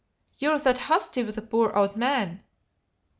You're that hasty wi' a poor owd man."